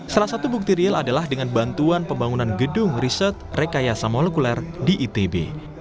salah satu bukti real adalah dengan bantuan pembangunan gedung riset rekayasa molekuler di itb